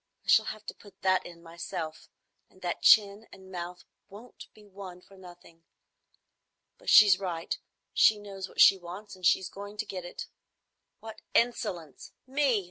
I shall have to put that in myself; and that chin and mouth won't be won for nothing. But she's right. She knows what she wants, and she's going to get it. What insolence! Me!